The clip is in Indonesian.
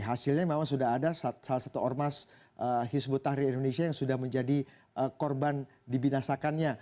hasilnya memang sudah ada salah satu ormas hizbut tahrir indonesia yang sudah menjadi korban dibinasakannya